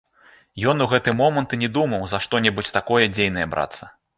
Ён у гэты момант і не думаў за што-небудзь такое дзейнае брацца.